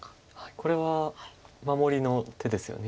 これは守りの手ですよね。